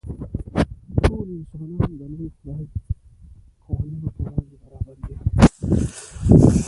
ټول انسانان د لوی خدای قوانینو په وړاندې برابر دي.